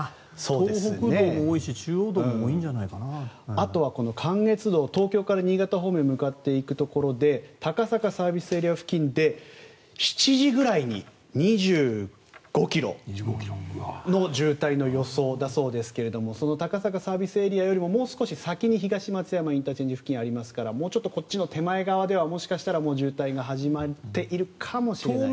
東北道も多いし、中央道もあとは関越道東京から新潟方面に向かっていくところで高坂ＳＡ付近で、７時ぐらいに２５ｋｍの渋滞の予想だそうですがその高坂ＳＡよりももう少し先に東松山ＩＣ付近ありますからもうちょっと手前側ではもう渋滞が始まっているかもしれませんね。